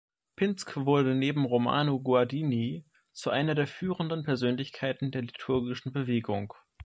Pinsk wurde neben Romano Guardini zu einer der führenden Persönlichkeiten der liturgischen Bewegung.